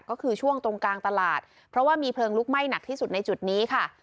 ก็คือช่วงตรงกลางตลาดเพราะว่ามีเพลิงลุกไหม้หนักที่สุดในจุดนี้ค่ะ